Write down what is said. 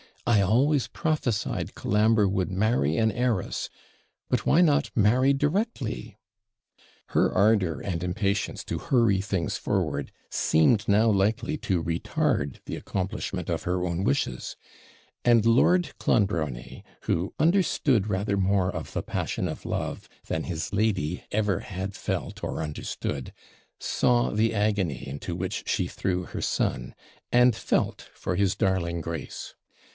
I always prophesied Colambre would marry an heiress; but why not marry directly?' Her ardour and impatience to hurry things forward seemed now likely to retard the accomplishment of her own wishes; and Lord Clonbrony, who understood rather more of the passion of love than his lady ever had felt or understood, saw the agony into which she threw her son, and felt for his darling Grace.